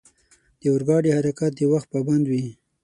د اورګاډي حرکت د وخت پابند وي.